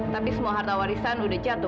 tapi semua harta warisan udah jatuh